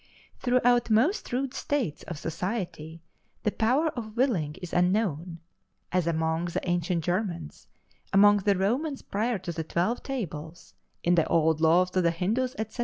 Throughout most rude states of society the power of willing is unknown, as among the ancient Germans among the Romans prior to the twelve tables in the old laws of the Hindus, etc.